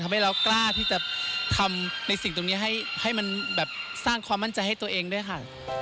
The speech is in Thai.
เรากล้าที่จะทำในสิ่งตรงนี้ให้มันแบบสร้างความมั่นใจให้ตัวเองด้วยค่ะ